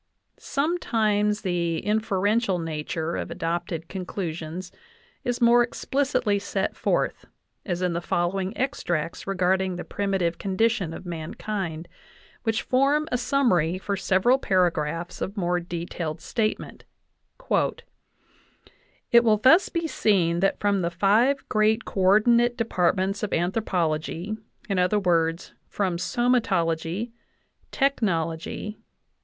Sometimes the inferential nature of adopted conclusions is more explicitly set forth, as in the following extracts regard ing the .primitive condition of mankind, which form a sum mary for several paragraphs of more detailed statement: "It will thus be seen that from the five great co ordinate depart ments of anthropology, i. e., from somatology, ... tech nology